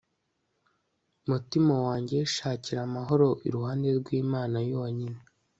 mutima wanjye, shakira amahoro iruhande rw'imana yonyine